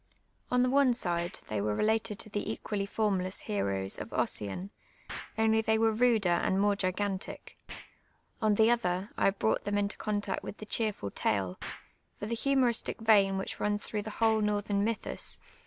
On the one side, thi*v were n Uited to the e(jually forndt ss lienx 's of Ossian, only they Merc ruder and moix» f^i^^autic ; on the otlur, 1 bn)ui; ht tJiem into contact witli the chierful tale ; for the humoristic viin whicli runn throu^li the whole Northrni mytlius. wa.